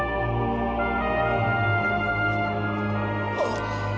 あっ。